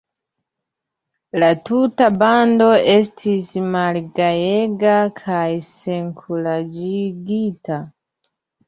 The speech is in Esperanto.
La tuta bando estis malgajega kaj senkuraĝigita.